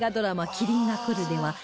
『麒麟がくる』では